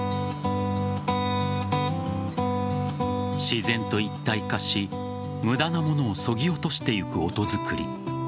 自然と一体化し無駄なものをそぎ落としていく音作り。